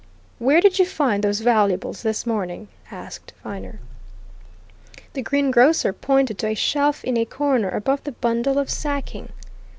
"Where did you find those valuables this morning?" asked Viner. The greengrocer pointed to a shelf in a corner above the bundle of sacking.